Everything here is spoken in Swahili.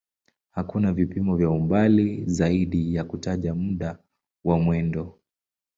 Hakuna vipimo vya umbali zaidi ya kutaja muda wa mwendo.